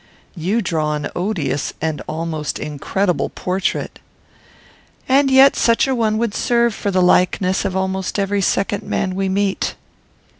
"You draw an odious and almost incredible portrait." "And yet such a one would serve for the likeness of almost every second man we meet."